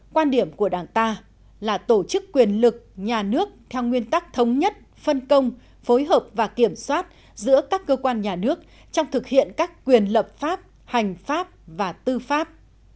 quan điểm của đảng ta là tổ chức quyền lực nhà nước theo nguyên tắc thống nhất phân công phối hợp và kiểm soát giữa các cơ quan nhà nước trong thực hiện các quyền lập pháp hành pháp và tư pháp